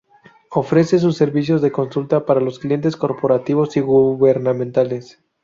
Ofrece sus servicios de consulta para los clientes corporativos y gubernamentales.